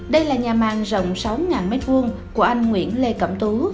đây là nhà màng rộng sáu m hai của anh nguyễn lê cẩm tú